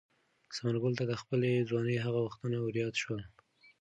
ثمرګل ته د خپلې ځوانۍ هغه وختونه وریاد شول.